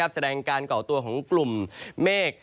แสดงการก่อตัวของกลุ่มเมฆ